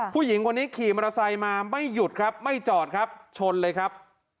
ผู้หญิงคนนี้ขี่มอเตอร์ไซค์มาไม่หยุดครับไม่จอดครับชนเลยครับ